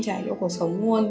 để chăm chảy lỗ của sống luôn